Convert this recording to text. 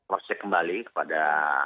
roset kembali kepada